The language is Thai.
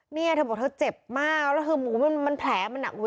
นี่แบบเธอบอกเจ็บมากแล้วมันแผลมันหนัก